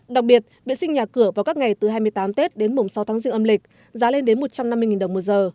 đặc biệt vệ sinh nhà cửa vào các ngày từ hai mươi tám tết đến mùng sáu tháng riêng âm lịch giá lên đến một trăm năm mươi đồng một giờ